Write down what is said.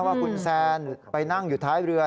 ว่าคุณแซนไปนั่งอยู่ท้ายเรือ